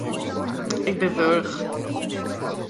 Ik bin wurch.